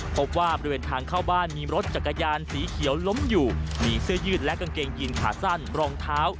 พบว่าบริเวณทางเข้าบ้านมีรถจักรยานสีเขียวล้มอยู่มีเสื้อยืดและกางเกงยีนขาสั้นรองเท้า